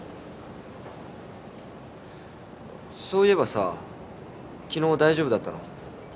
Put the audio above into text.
そういえばさ昨日大丈夫だったの？